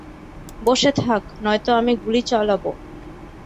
বসে থাক নয়তো আমি গুলি চালাবো।